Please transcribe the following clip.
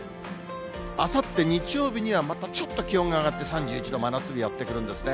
あさって日曜日には、またちょっと気温が上がって、３１度、真夏日やって来るんですね。